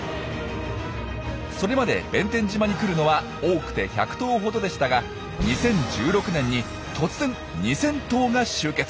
それまで弁天島に来るのは多くて１００頭ほどでしたが２０１６年に突然２，０００頭が集結。